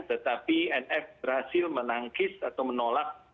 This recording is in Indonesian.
tetapi nf berhasil menangkis atau menolak